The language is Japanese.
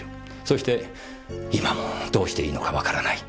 そして今もどうしていいのかわからない。